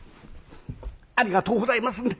ありがとうございますんで！